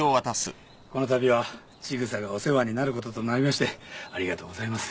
このたびは千草がお世話になることとなりましてありがとうございます。